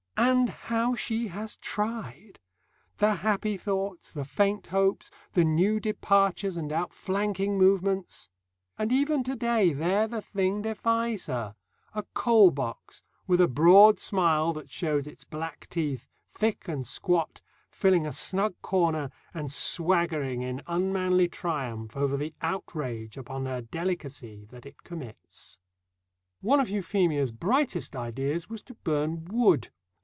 And how she has tried the happy thoughts, the faint hopes, the new departures and outflanking movements! And even to day there the thing defies her a coal box, with a broad smile that shows its black teeth, thick and squat, filling a snug corner and swaggering in unmanly triumph over the outrage upon her delicacy that it commits. One of Euphemia's brightest ideas was to burn wood.